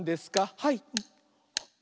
はい！」